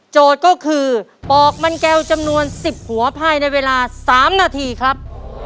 ก็คือปอกมันแก้วจำนวน๑๐หัวภายในเวลา๓นาทีครับ